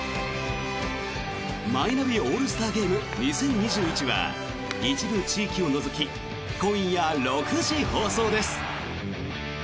マイナビオールスターゲーム２０２１は一部地域を除き今夜６時放送です。